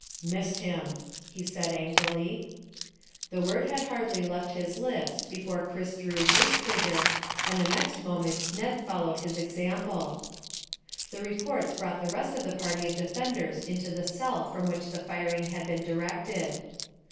"Missed him," he said angrily. The word had hardly left his lips before Chris drew his trigger, and the next moment Ned followed his example. The reports brought the rest of the party of defenders into the cell from which the firing had been directed.